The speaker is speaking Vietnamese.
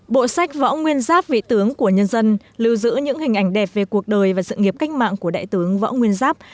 bộ sách võ nguyên giáp vị tướng của nhân dân lưu giữ những hình ảnh đẹp về cuộc đời và sự nghiệp cách mạng của đại tướng võ nguyên giáp